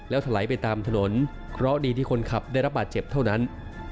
ถลายไปตามถนนเพราะดีที่คนขับได้รับบาดเจ็บเท่านั้น